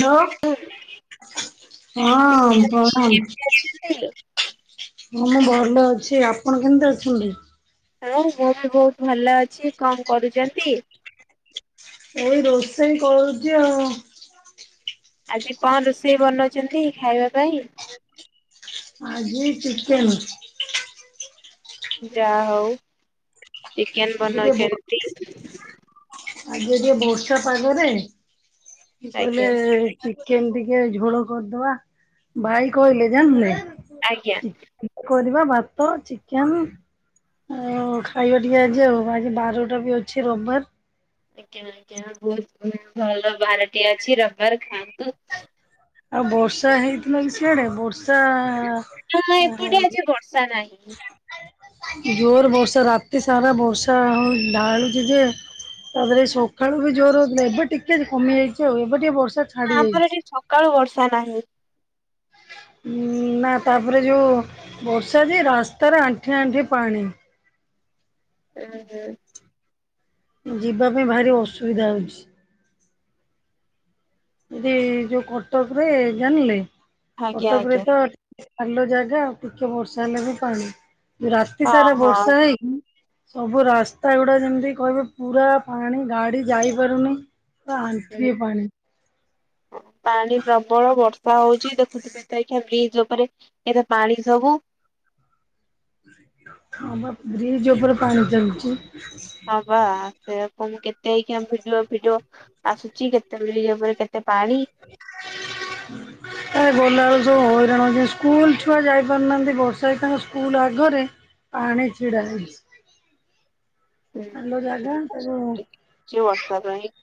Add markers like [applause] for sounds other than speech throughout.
Hello ଆଜ୍ଞା ହଁ ହଁ କେମିତି ଅଛି ପ୍ରଣାମ, କେମିତି ଅଛନ୍ତି? ହଁ ମୁଁ ଭଲ ଅଛି, ଆପଣ କେମିତି ଅଛନ୍ତି? ମୁଁ, ବହୁତ ବହୁତ ଭଲ ଅଛି କଣ କରୁଛନ୍ତି? ଏଇ ରୋଷେଇ କରୁଛି ଆଉ, ଆଜି କଣ ରୋଷେଇ ବନଉଛନ୍ତି ଖାଇବା ପାଇଁ? ଆଜି ଚିକେନ, ଯାହା ହଉ ଚିକେନ ଆଜି ଟିକେ ବ ବନଉଛନ୍ତି। ଆଜି ଯୋ ବର୍ଷା ପାଗରେ, କି କହିଲେ ଆଜ୍ଞା ଚିକେନ ଟିକେ ଝୋଳ କରିଦବା, ଭାଇ କହିଲେ ଜାଣିଲୁନା। ଆଜ୍ଞା। କରିବା ଭାତ ଚିକେନ୍ ହ ଖାଇବା ଟିକେ ଆଜି ଆଉ ଆଜି ବାରଟା ବି ଅଛି ରବାର୍। ଆଜ୍ଞା ଆଜ୍ଞା, ବହୁତ ଭଲ ବାରଟି ଅଛି ରବାର୍ ଖାଆନ୍ତୁ। ଆଉ ବର୍ଷା ହେଇଥିଲା କି ସିଆଡେ ବର୍ଷା ହଁ, ଏପଟେ ଆଜି ବର୍ଷା ନାହିଁ। ଜୋର ବର୍ଷା, ରାତି ସାରା ବର୍ଷା ହଁ ଢାଳୁଛି ଯେ ଆରେ ସକାଳୁ ବି ଜୋର ଅଉଥିଲା ଏବେଟ ଟିକ କମି ଯାଇଛି ଆଉ ଏବେ ଟିକେ ବର୍ଷା ନାଁ ଛାଡି ଆମର ଯାଇଛି। ଏଠି ସକାଳୁ ବର୍ଷା ନାହିଁ। ନାଁ, ତାପରେ ଯେଉଁ ବର୍ଷା ଯେ ରାସ୍ତାରେ ଆଣ୍ଠିଏ ଆଣ୍ଠିଏ ପାଣି। ଏଜେ, ଯିବା ପାଇଁ ଭାରି ଅସୁବିଧା ହଉଚି। ଯଦି ଯୋଉ କଟକ ରେ ଜାଣିଲେ, ଆଜ୍ଞା କଟକ ରେ ଆଜ୍ଞା ତ ଖାଲ ଜାଗା ଆଉ ଟିକେ ବର୍ଷା ହେଲେ ବି ପାଣି। ରାତି ହଁ ସାରା ହଁ। ବର୍ଷା ହେଇକି ସବୁ ରାସ୍ତା ଗୁଡା ଯେମିତି, କହିବେ ପୁରା ପାଣି ଗାଡି ଯାଇପାରୁନି। ପୁରା ଆଣ୍ଠିଏ ପାଣି। ପାଣି ପାଣି ପ୍ରବଳ ବର୍ଷ ପଳଉଚି ଦେଖୁଚୁ ବ୍ରିଜ୍ ଉପରେ ଏରା ପାଣି ସବୁ ହଁ ବା ବ୍ରିଜ୍ ଉପରେ ପାଣି ଚାଲୁଚି ହଁ ବା ସେ କହୁନୁ କେତେ ଏଇକିଆଁ ଭିଡିଓ ଭିଡିଓ ଆସୁଚି କେତେ ବ୍ରିଜ୍ ଉପରେ କେତେ ପାଣି। ଏ ଗଲା ବେଳକୁ ସବୁ ହଇରାଣ ହୋଉଛନ୍ତି ସ୍କୁଲ ଛୁଆ ଯାଇ ପାରୁନାହାନ୍ତି ବର୍ଷା ରେ ତାଙ୍କ ସ୍କୁଲ ଆଗରେ ଆଣି ଛିଡା ହେଇଚି। ଜାଗା କି ତାକୁ ବସ୍ତା ପାଇଁ।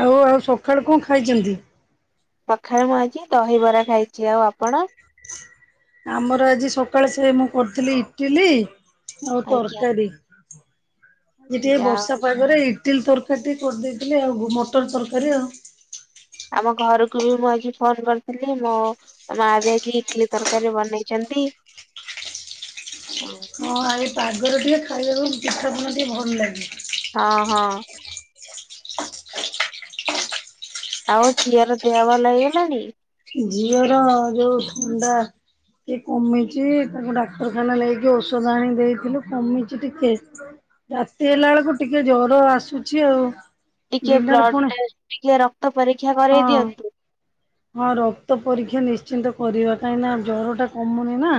ଆଉ ଆଉ ସଖାଳୁ କଣ ଖାଇଚନ୍ତି। ପଖାଳ ମୁଁ ଆଜି ଦହିବରା ଖାଇଚି ଆଉ ଆପଣ? ଆମର ଆଜି ସକାଳେ ସେ ମୁଁ କରୁଥିଲି ଇଟିଲି ଆଉ ଆଜ୍ଞା ତରକାରୀ ଆଜି ଟିକେ ଯାହା ବର୍ଷା ହଉ ପାଗରେ ଇଟିଲି ତରକାରୀ ଟିକେ କରିଦେଇଥିଲି ଆଉ ଘୁ ମଟର ତରକାରୀ ଆଉ। ଆମ ଘରୁକୁ ବି ମୁଁ ଆଜି ଫୋନ୍ କରିଥିଲି ମୋ ତ ମା ବି ଆଜି ଇଟିଲି ତରକାରୀ ବନେଇଚନ୍ତି ହଁ ଆଜି ପାଗରେ ଟିକେ ଖାଇବାକୁ ପିଠାପଣା ଟିକେ ଭଲ ଲାଗେ। ହ ହଁ ଆଉ ଝିଅର ଦେହ ଭଲ ହେଇଗଲାଣି? ଝିଅର ଯୋଉ ଥଣ୍ଡା ଟିକେ କମିଚି ମୁ ଡାକ୍ତରଖାନା ନେଇକି ଔଷଧ ଆଣି ଦେଇଥିଲୁ କମିଚି ଟିକେ। ରାତି ହେଲା ବେଳକୁ ଟିକେ ଜ୍ୱର ଆସୁଚି ଆଉ। ଟିକିଏ ଦିନରେ ବ୍ଲଡ୍ ପୁଣି ଟେଷ୍ଟ୍ ଟିକିଏ ରକ୍ତ ପରୀକ୍ଷା ହଁ କରେଇ ଦିଅନ୍ତୁ। ହଁ ରକ୍ତ ପରୀକ୍ଷା ନିଶ୍ଚିନ୍ତ କରିବା କାହିଁକିନା ଜ୍ଵର ଟା କମୁନି ନାଁ।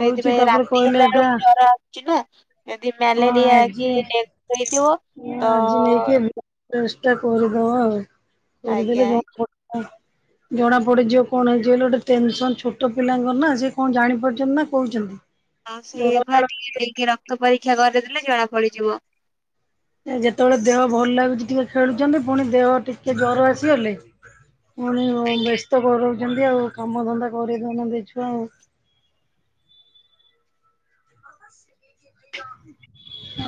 ସେଇଥିପାଇଁ ରାତି ହେଲା ବେଳକୁ ଜ୍ଵର ଚିନା ଯଦି ହଁ ମ୍ୟାଲେରିଆ ଆଜି କି ଡେଙ୍ଗୁ ହେଇଥିବ ତ ଚେଷ୍ଟା କରିଦବା ଆଉ ଆଜ୍ଞା କରିଦେଲେ ଆଜ୍ଞା। ଜ୍ବର ଜଣା ପଡିଯିବ କଣ ହେଇଚି ବୋଲି ଗୋଟେ ଟେନସନ ଛୋଟ ପିଲାଙ୍କର ନାଁ ସେ କଣ ଜାଣିପାରୁଚନ୍ତି ନାଁ କହୁଛନ୍ତି। ହଁ ସେଇୟା ପା ଜର ଟିକେ ନେଇକି ରକ୍ତ ପରୀକ୍ଷା କରିଦେଲେ ଜଣା ପଡିଯିବ। ଯେତେବେଳେ ଦେହ ଭଲ ଲାଗୁଚି ଟିକେ ଖେଳୁଚନ୍ତି ପୁଣି ଦେହ ଟିକେ ଜ୍ୱର ଆସିଗଲେ ପୁଣି ହଁ ବ୍ୟସ୍ତ କରଉଛନ୍ତି ଆଉ କାମ ଧନ୍ଦା କରି ଧନ ଦେଇଛୁ ଆଉ। [inaudible]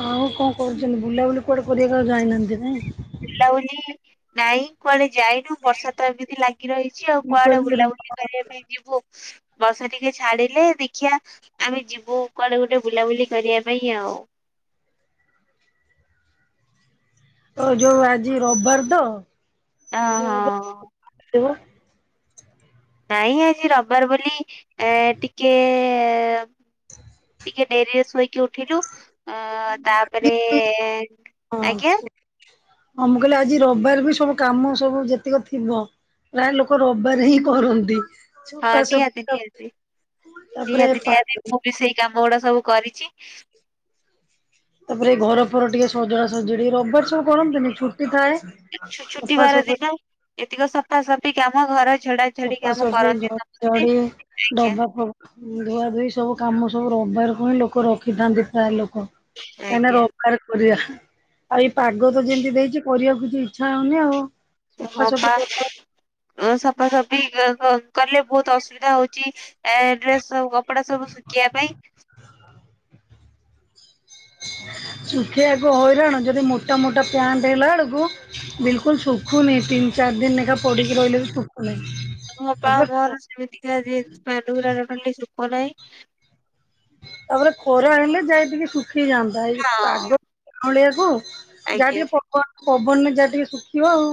ଆଉ କଣ କରୁଛନ୍ତି ବୁଲାବୁଲି କୁଆଡେ କରିବାକୁ ଆଉ ଯାଇନାହାନ୍ତି ନାଇଁ। ବୁଲାବୁଲି ନାଇଁ କୁଆଡେ ଯାଇନୁ ବର୍ଷା ତ ଏମିତି ଲାଗି ରହିଚି ଆଉ ମୁଁ କୁଆଡେ କହିଲି ବୁଲାବୁଲି କରିବା ପାଇଁ ଯିବୁ ବର୍ଷା ଟିକେ ଛାଡିଲେ ଦେଖିଆ ଆମେ ଯିବୁ କୁଆଡେ ଗୋଟେ ବୁଲାବୁଲି କରିବା ପାଇଁ ଆଉ ହ ଯୋଉ ଆଜି ରବିବାର ତ ଅ ଯିବ ହଁ ବୋଧେ କାଇଁ ଆଜି ରବିବାର ବୋଲି ଏ ଟିକେ ଟିକେ ଡେରି ରେ ଶୋଇକି ଉଠିଲୁ ଅ ତାପରେ ହଁ ଆଜ୍ଞା ହଁ ମୁଁ କହିଲି ଆଜି ରବିବାର୍ ବି ସବୁ କାମ ସବୁ ଯେତିକ ଥିବ ପ୍ରାୟ ଲୋକ ରବିବାର୍ ହିଁ କରନ୍ତି। ହଁ ସଫା ସଫି ନିହାତି ନିହାତି ନିହାତି ନିହାତି ତାପରେ ମୁଁ ବି ସେଇ କାମ ଗୁଡା ସବୁ କରିଚି ତାପରେ ଏଇ ଘର ଫର ଟିକେ ସଜଡା ସଜଡି ରବିବାର ତୁ କରନ୍ତୁନି ଛୁଟି ଥାଏ ଛୁ- ଛୁଟିବାର ସଫାସଫି ଦିନ ଏତିକ ସଫାସଫି କାମ ଘର ଝଡା ଝଡି କାମ ସଫାସଫି କରନ୍ତି ସମସ୍ତେ ଝଡ଼ାଝଡ଼ି ଆଜ୍ଞା ଡବା ଫବା ଧୁଆ ଧୋଇ ସବୁ କାମ ସବୁ ରବିବାର କୁ ହିଁ ଲୋକ ରଖିଥାନ୍ତି ପ୍ରାୟ ଲୋକ କାହିଁକି ନା ଆଜ୍ଞା। ରବିବାରେ କରିବା ଆଉ ଏଇ ପାଗ ତ ଯେମତି ଦେଇଛି କରିବାକୁ କିଛି ଇଛା ହଉନି ଆଉ। ହଁ ସଫାସଫି ବା ସଫାସଫି କ କଲେ ବହୁତ ଅସୁବିଧା ହଉଛି। ଏ ଡ୍ରେସ୍ ସବୁ କପଡା ସବୁ ଶୁଖିବା ପାଇଁ [inaudible] ଶୁଖେଇଆକୁ ହଇରାଣ ଯଦି ମୋଟା ମୋଟା ପ୍ୟାଣ୍ଟ୍ ହେଲା ବେଳକୁ ବିଲ୍ କୁଲ୍ ଶୁଖୁନି ତିନି ଚାରି ଦିନ ଲେଖା ପଡିକି ରହିଲେ ବି ଶୁଖୁନିଁ ତାପରେ ଯେମିତି କି ଆଜି ଜିନ୍ସ ପ୍ୟାଣ୍ଟ୍ ଗୁରାକ କଲି ଶୁଖୁ ନାହିଁ ତାପରେ ଖରା ହେଲେ ଯାହା କି ଟିକେ ଶୁଖି ଯାଆନ୍ତା ଏଇ ହଁ ପାଗ ଝାଉଁଳିଆକୁ ଯାହା ଆଜ୍ଞା ଟିକେ ପବନ ପବନରେ ଯାହା ଟିକେ ଶୁଖିବ ଆଉ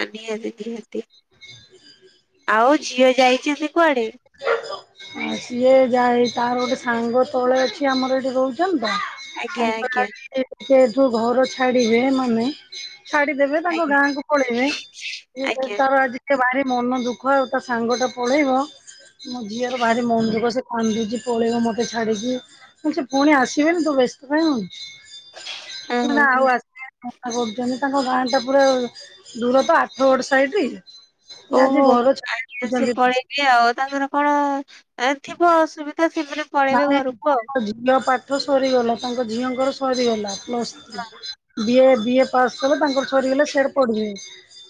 ଆ ନିହାତି ନିହାତି [unintelligible] ଆଉ ଝିଅ ଯାଇଛନ୍ତି କୁଆଡେ? ସିଏ ଯାଇ ତାର ଗୋଟେ ସାଙ୍ଗ ତଳେ ଅଛି ଆମର ଏଠି ରହୁଛନ୍ତିତ। ଆଜ୍ଞା ତାଙ୍କର ଆଜ୍ଞା ଆଜି ଯେହେତୁ ଘର ଛାଡିବେ ମାନେ ଛାଡିଦେବେ ତାଙ୍କ ଆଜ୍ଞା ଗାଁକୁ ପଳେଇବେ ଇଏ ଆଜ୍ଞା ସେଇଠୁ ତାର ଆଜି ଏତେ ଭାରି ମନ ଦୁଃଖ ଆଉ ତା ସାଙ୍ଗ ଟା ପଳେଇବ ମୋ ଝିଅର ବାହାରି ମନ ଦୁଃଖ ସେ କାନ୍ଦୁଛି ସେ ପଳେଇବ ମତେ ଛାଡିକି। ମୁଁ କହିଲି ସେ ପୁଣି ଆସିବେନି ତୁ ବ୍ୟସ୍ତ କାଇଁ ହଁ ହଉଛୁ ହଁ ନା ହଁ ଆଉ ଆସିବେନି ମନା କରୁଛନ୍ତି ତାଙ୍କ ଗାଁ ଟା ପୁରା ଦୂର ତ ଆଠଗଡ ସାଇଟ୍ ସେ ଆଜି ଘର ଛାଡୁଛନ୍ତି। ଏ ଆଉ ତାଙ୍କର କଣ ଥିବ ଅସୁବିଧା ଥିବ ନାଇଁ ତାଙ୍କ ଝିଅ ପାଠ ସରିଗଲା ତାଙ୍କ ଝିଅଙ୍କର ସରିଗଲା ପ୍ଲସ୍ ଥ୍ରି ହଁ ବିଏ ବିଏ ପାସ୍ କଲେ ତାଙ୍କର ସରିଗଲା ସିଆଡେ ପଢିବେ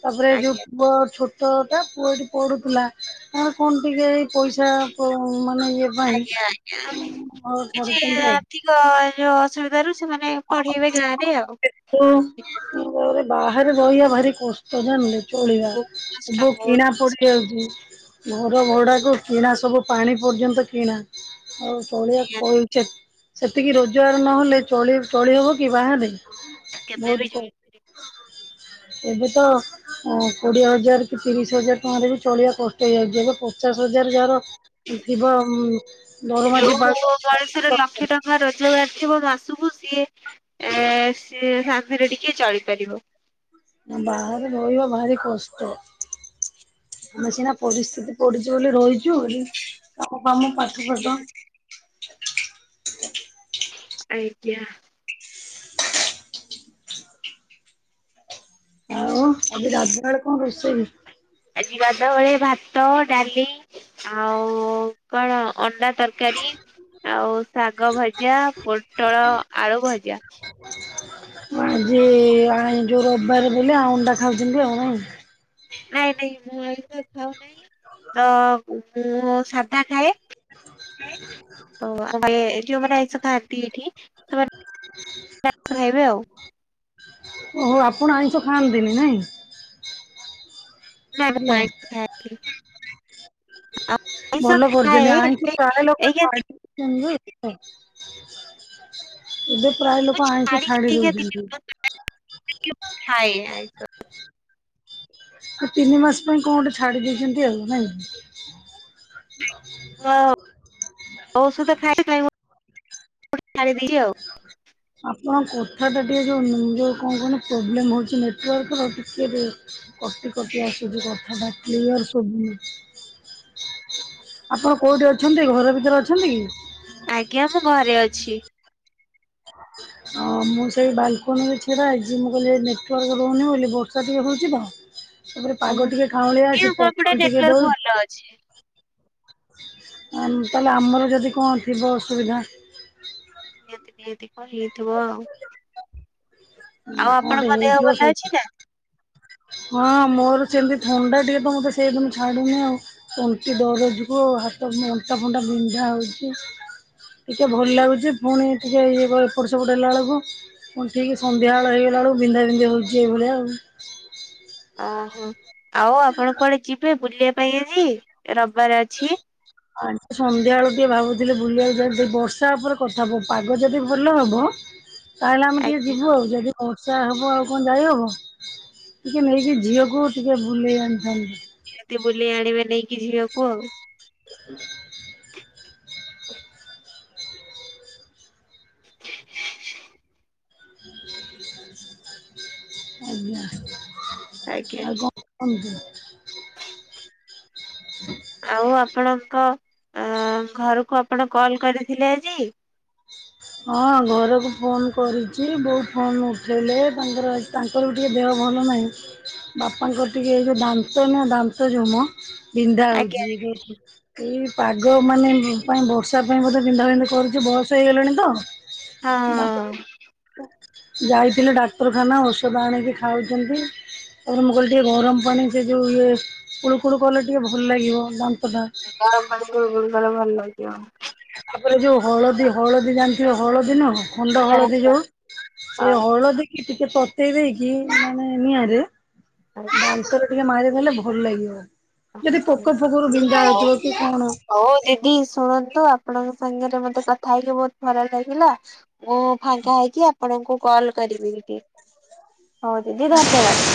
ତାପରେ ଯୋଉ ଆଜ୍ଞା ପୁଅ ଛୋ ଛୋଟଟା, ପୁଅ ଏଇଠି ପଡୁଥିଲା କଣ କଣ ଟିକେ ପଇସା କ ମାନେ ଇଏ ପାଇଁ ହ [unintelligible] ଘର କିଛି ଛାଡୁଛନ୍ତି ଆଉ। ଆର୍ଥିକ ଯୋଉ ଅସୁବିଧା ରୁ ସେମାନେ ପଢେଇବେ ଗାଁରେ ଆଉ ହ ମୁଁ ଭାବେ ବାହାରେ ରହିବା ଭାରି କଷ୍ଟ ଜାଣିଲୁ ଚଳିବା ବହୁତ କଷ୍ଟ ସବୁ ବହୁତ କିଣା ପଡି କଷ୍ଟ ଯାଉଛି। ଘର ଭଡ଼ାକୁ କିଣା ସବୁ ପାଣି ପର୍ଯ୍ୟନ୍ତ କିଣା। ଆଉ ନିହାତି ଚଳିବାକୁ ସେତିକି ରୋଜଗାର ନହେଲେ ଚଳି ଚଳିହବ କି ବାହାରେ କେବେ ବହୁତ କ [unintelligible] ଏବେ ତ ଓ କୋଡିଏ ହଜାର କି ତିରିଶ ହଜାର ଟଙ୍କାରେ ବି ଚଳିବା କଷ୍ଟ ହେଇଯାଉଛି ଏବେ ପଚାଶ ହଜାର ଯାହାର ଥିବ ଦରମା ଯିଏ ଯୋଉ ପାଉଥିବ ମଣିଷର ଲକ୍ଷେ ଟଙ୍କା ରୋଜଗାର ଥିବ ମାସକୁ ସିଏ ଏ ସିଏ ଶାନ୍ତିରେ ଟିକିଏ ଚଳିପାରିବ। ବାହାର ରହିବା ଭାରି କଷ୍ଟ। ଆମେ ସିନା ପରିସ୍ଥିତି ପଡିଛି ବୋଲି ରହିଛୁ ବୋଲି ହେଲେ କାମ ଫାମ ପାଠ ଫାଠ ଆଜ୍ଞା ଆଉ ଆଜି ରାତି ବେଳେ କଣ ରୋଷେଇ ଆଜିି ଗାଧୁଆ ବେଳେ ଭାତ ଡାଲି ଆଉ କଣ ଅଣ୍ଡା ତର ତରକାରୀ ଆଉ ଶାଗ ଭଜା ପୋଟଳ ଆଳୁ ଭଜା। ଆଜି ଆ ଯୋ ରବିବାର ବୋଲି ଆଣ୍ଡା ଖାଉଛନ୍ତି ଆଉ ନାଇଁ? ନାଇଁ ନାଇଁ ମୁଁ ଆଇଁଷ ଖାଉ ନାହିଁ ତ ମୁଁ ସାଧା ଖାଏ। କାଇଁ? ତ ଆ ଯୋଉମାନେ ଆଇଁଷ ଖାଆନ୍ତି ଏଇଠି ସେମାନେ ଆଇଁଷ ଖାଇବେ ଆଉ। ଓହୋ ଆପଣ ଆଇଁଷ ଖାଆନ୍ତିନି ନାଇଁ? ହାଲୋ। [inaudible] ଆଇଁଷ ଭଲ କରୁଛନ୍ତି ଖାଏ ଅଇଁଷ ହେଲେ ପ୍ରାୟ ଲୋକ ଏଇକା ଏବେ ପ୍ରାୟ ମୁଁ ଲୋକ ଆଇଁଷ ଛାଡିଚି ଛାଡି ଏଇକା ଦଉଛନ୍ତି। [inaudible] ଖାଏ ଆଇଁଷ। ଆଉ ତିନି ମାସ ପାଇଁ କଣ ଗୋଟେ ଛାଡି ଦେଇଛନ୍ତି ଆଉ ନାଇଁ? ହଁ ଔଷଧ ଖାଇଛି ଖାଇବ ଛାଡ଼ିଦେଇଛି ଆଉ। ଆପଣଙ୍କ କଥା ଟା ଟିକେ ଯୋଉଁ ଯୋଉ କଣ କୁହନି ପ୍ରୋବ୍ଲେମ୍ ହେଉଛି ନେଟୱାର୍କର ଟିକେ କଟି କଟି ଆସୁଛି କଥା ଟା କ୍ଲିୟର ଶୁଭୁନି। ଆପଣ କୋଉଠି ଅଛନ୍ତି ଘର ଭିତରେ ଅଛନ୍ତି କି? ଆଜ୍ଞା ମୁଁ ଘରେ ଅଛି। ଆ ମୁଁ ସେଇ ବାଲକୋନିରେ ଛିଡାହେଇଛି ମୁଁ କହିଲି ନେଟୱାର୍କ ରହୁନି ବୋଲିି ବର୍ଷା ଟିକେ ହେଉଛି ତ ତାପରେ ଓହୋ ପାଗ ଟିକେ ଖାଉଁଳିଆ ଆମ ଅଛି ଏପଟେ ପବନ ଟିକେ ନେଟୱାର୍କ ଦଉଛି ଭଲ ଅଛି। ତାହେଲେ ଆମର ଯଦି କଣ ଥିବ ଅସୁବିଧା। ନିହାତି ନିହାତି କଣ ହେଇଥିବ ଆଉ କଣ ଆଉ ଗୋଟେ ଆପଣଙ୍କ ଦେହ ହେଇଥିବ ଭଲ ସେଇ ଅଛି ନା? ହଁ ମୋର ସେମିତି ଥଣ୍ଡା ଟିକେ ତ ମେର ତ ସେଇଦିନ ଛାଡୁନି ଆଉ ତଣ୍ଟି ଦରଜକୁ ହାତ ଅଣ୍ଟା ଫଣ୍ଡା ବିନ୍ଧା ହେଉଛି। ଟିକେ ଭଲ ଲାଗୁଛି ପୁଣି ଟିକେ ଇଏ ଏପଟ ସେପଟ ହେଲା ବେଳକୁ ହଁ ଠିକ ସନ୍ଧ୍ୟାବେଳ ହେଇଗଲା ବେଳକୁ ବିନ୍ଧାବିନ୍ଧି ହଉଛି ଏଇ ଭଳିଆ ଆଉ ଓହୋ ଆଉ ଆପଣ କୁଆଡେ ଯିବେ ବୁଲିବା ପାଇଁ ଆଜି ରବିବାର ଅଛି? ଆ ସନ୍ଧ୍ୟାବେଳେ ଟିକେ ଭାବୁଥିଲି ବୁଲିବାକୁ ଯିବା ବର୍ଷା ଉପରେ କଥା ହବ ପାଗ ଯଦି ଭଲ ହବ ତାହେଲେ ଆମେ ଟିକେ ଆଜ୍ଞା ଯିବୁ ଆଉ ଯଦି ବର୍ଷା ହେବ ଆଉ କଣ ଯାଇ ହେବ। ଟିକେ ନେଇକି ଝିଅକୁ ଟିକେ ବୁଲେଇ ଆଣିଥାନ୍ତି। ନିହାତି ବୁଲେଇ ଆଣିବେ ନେଇକି ଝିଅକୁ ଆଉ। ହଁ ଆଜ୍ଞା ଆଉ ଆଜ୍ଞା। କଣ କୁହନ୍ତୁ। ଆଉ ଆପଣଙ୍କ ଘରକୁ ଆପଣ କଲ୍ କରିଥିଲେ ଆଜି? ହଁ ଘରକୁ ଫୋନ୍ କରିଛି ବେଉ ଫୋନ୍ ଉଠାଇଲେ ତାଙ୍କର ଆଜି ତାଙ୍କର ଟିକେ ଦେହ ଭଲ ନାହିଁ ବାପାଙ୍କର ଟିକେ ଏ ଯେଉଁ ଦାନ୍ତ ନା ଦାନ୍ତ ଯୋଉ ମ ବିନ୍ଧା ଆଜ୍ଞା ହଉଛି [inaudible] ଏ ପାଗ ମାନେ ପାଇଁ ବର୍ଷା ପାଇଁ ବୋଧେ ବିନ୍ଧାବିନ୍ଧି କରୁଛି ବସ ହେଇଗଲାଣି ତ। ହଁ। [unintelligible] ଯାଇଥିଲେ ଡାକ୍ତରଖାନା ଔଷଧ ଆଣିକି ଖାଉଛନ୍ତି। ତାପରେ ମୁଁ କହିଲି ଟିକେ ଗରମ ପାଣି ସେ ଯେଉଁ ଇଏ କୁଳୁକୁଳୁ କଲେ ଟିକେ ଭଲ ଲାଗିବ ଦାନ୍ତ ଟା। ଗରମ ପାଣି କୁଲୁକୁଲୁ କଲେ ଭଲ ଲାଗିବ। ତାପରେ ଯୋଉ ହଳଦୀ ହଳଦୀ ଜାଣିଥିବେ ହଳଦୀ ନୁହ ଖଣ୍ଡ ହଳଦୀ ଯୋଉ ସେ ହଳଦୀ କି ଟିକେ ତତେଇ ଦେଇକି ମାନେ ନିଆଁରେ ବାନ୍ସର ଟିକେ ମାରି ଦେଲେ ଭଲ ଲାଗିବ। ହଁ। ଯଦି ପୋକ ଫୋକରୁ ବିନ୍ଧା ହଉ। ହଉଥିବ କି କଣ? ହଉ ଦିଦି ଶୁଣନ୍ତୁ ଆପଣଙ୍କ ସାଙ୍ଗରେ ମତେ କଥା ହେଇକି ବହୁତ ଭଲ ଲାଗିଲା। ମୁଁ ଫାଙ୍କା ହେଇକି ଆପଣଙ୍କୁ କଲ କରିବି ଟିକେ ହଉ ଦିଦି ଧନ୍ୟବାଦ।